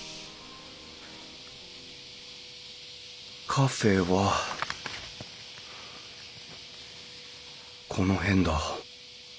カフェはこの辺だ。